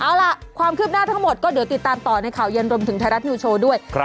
เอาล่ะความคืบหน้าทั้งหมดก็เดี๋ยวติดตามต่อในข่าวเย็นรวมถึงไทยรัฐนิวโชว์ด้วย